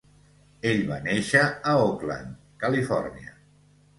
Ell va néixer a Oakland, Califòrnia.